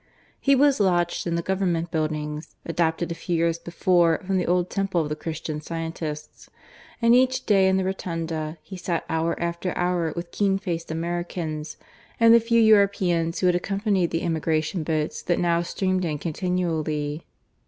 He was lodged in the Government buildings, adapted a few years before from the old temple of the Christian Scientists; and each day in the rotunda he sat hour after hour with keen faced Americans, and the few Europeans who had accompanied the emigration boats that now streamed in continually.